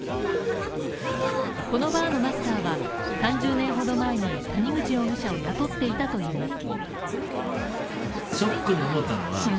このバーのマスターは３０年ほど前に谷口容疑者を雇っていたといいます。